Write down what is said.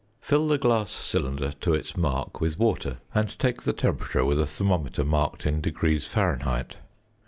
Fill the glass cylinder to its mark with water and take the temperature with a thermometer marked in degrees Fahrenheit.